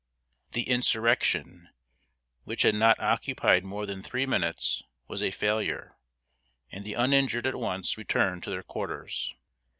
The insurrection which had not occupied more than three minutes was a failure, and the uninjured at once returned to their quarters.